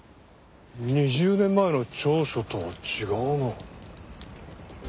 ２０年前の調書とは違うな。